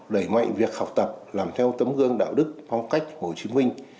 đẩy mạnh việc học tập làm theo tấm gương đạo đức phong cách hồ chí minh